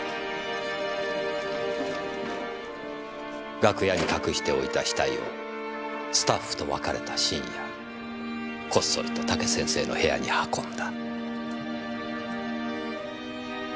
楽屋に隠しておいた死体をスタッフと別れた深夜こっそりと武先生の部屋に運んだ。